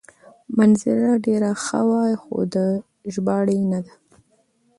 مناظره ډېره ښه وه خو د ژباړې نه ده.